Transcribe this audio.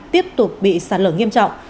tiếp tục bị sạt lở nghiêm trọng